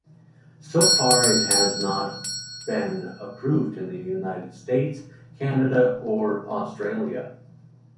So far it has not been approved in the United States, Canada and Australia.